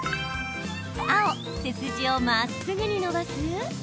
青・背筋をまっすぐに伸ばす。